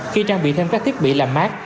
khi trang bị thêm các thiết bị làm mát